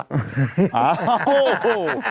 อ้าว